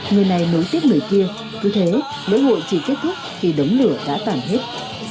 người này nối tiếc người kia cứ thế lễ hội chỉ kết thúc khi đống lửa đã tàn hết